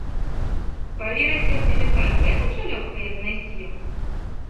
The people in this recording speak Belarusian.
Праверыць сертыфікат гэтак жа лёгка, як знайсці яго?